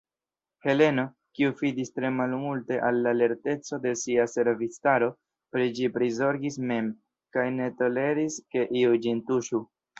Heleno, kiu fidis tre malmulte al la lerteco de sia servistaro, pri ĝi prizorgis mem, kaj ne toleris, ke iu ĝin tuŝu.